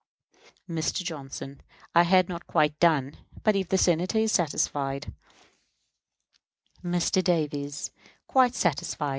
Mr. Johnson: I had not quite done; but if the Senator is satisfied Mr. Davis: Quite satisfied.